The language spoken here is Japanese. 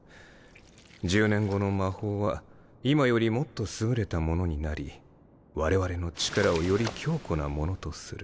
１０年後の魔法は今よりもっと優れたものになりわれわれの力をより強固なものとする。